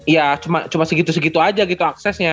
ya cuma segitu segitu aja gitu aksesnya